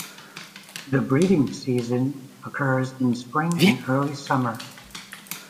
The breeding season occurs in the spring and early summer.